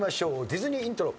ディズニーイントロ。